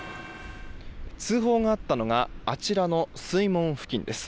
通報があったのがあちらの水門付近です。